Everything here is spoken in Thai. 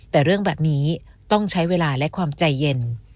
แต่เรื่องแบบนี้ต้องใช้เวลาและความใจเย็น